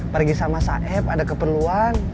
pergi sama saib ada keperluan